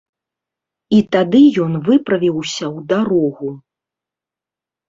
І тады ён выправіўся ў дарогу.